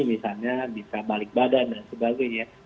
misalnya bisa balik badan dan sebagainya